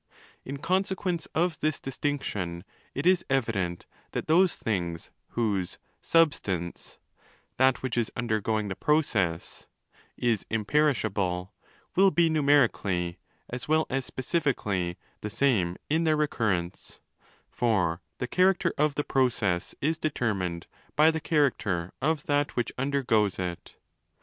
In conse quence of this distinction, it is evident that those things, whose ' substance '"—that which is undergoing the process— 15 is imperishable, will be numerically, as well as specifically, the same in their recurrence: for the character of the pro cess is determined by the character of that which undergoes it.